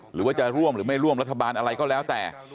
หรือว่าจะร่วมหรือไม่ร่วมรัฐบาลอะไรก็แล้วแต่